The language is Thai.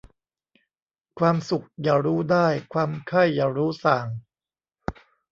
ความสุขอย่ารู้ได้ ความไข้อย่ารู้สร่าง